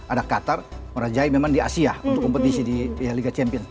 ada qatar merajai memang di asia untuk kompetisi di liga champion